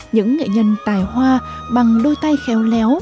những nghệ nhân tài hoa bằng đôi tay khéo léo